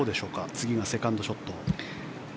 次のセカンドショット。